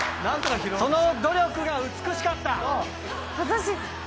その努力が美しかった！